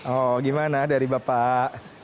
oh gimana dari bapak